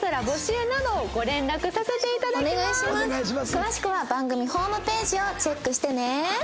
詳しくは番組ホームページをチェックしてね。